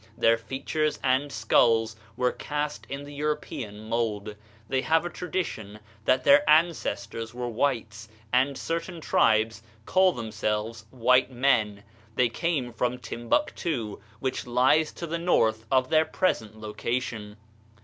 Their features and skulls were cast in the European mould. They have a tradition that their ancestors were whites, and certain tribes call themselves white men. They came from Timbuctoo, which lies to the north of their present location.